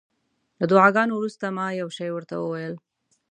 له دعاګانو وروسته ما یو شی ورته وویل.